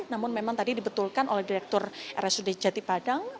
namun memang tadi dibetulkan oleh direktur rsud jatipadang